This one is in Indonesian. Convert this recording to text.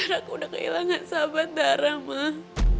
aku udah kehilangan sahabat darah mah